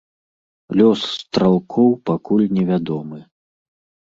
Лёс стралкоў пакуль невядомы.